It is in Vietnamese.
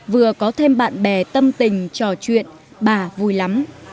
vừa có thêm bạn bè tâm tình trò chuyện bà vui lắm